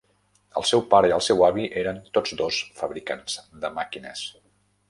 El seu pare i el seu avi eren tots dos fabricants de màquines.